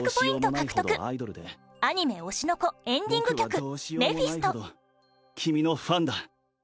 獲得アニメ『推しの子』エンディング曲『メフィスト』ゴロー：君のファンだ。